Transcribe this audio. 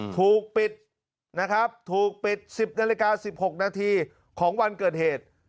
ถูกปิด๑๐นรกา๑๖นาทีของวันเกิดเหตุ